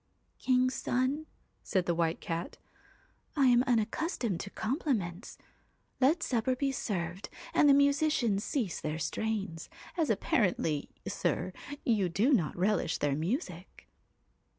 1 King's son,' said the White Cat, * I am unac customed to compliments. Let supper be served and the musicians cease their strains, as appa rently, sir, you do not relish their music.'